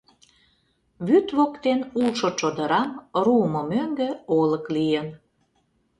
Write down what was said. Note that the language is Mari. Вӱд воктен улшо чодырам руымо мӧҥгӧ, олык лийын.